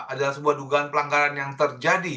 adalah sebuah dugaan pelanggaran yang terjadi